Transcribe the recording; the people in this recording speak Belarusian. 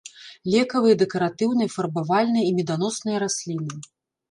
Лекавыя, дэкаратыўныя, фарбавальныя і меданосныя расліны.